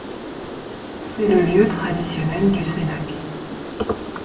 C'est le lieu traditionnel du cénacle.